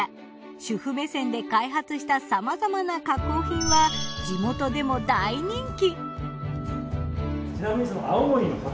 主婦目線で開発したさまざまな加工品は地元でも大人気。